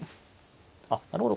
あっなるほど。